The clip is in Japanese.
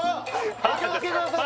お気をつけください